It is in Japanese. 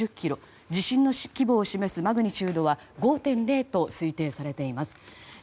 地震の規模を示すマグニチュードは５．０と推定されています。